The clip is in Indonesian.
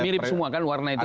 mirip semua kan warna itu